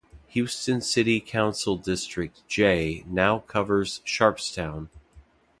Houston City Council District J now covers Sharpstown.